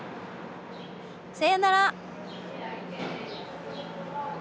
さよなら。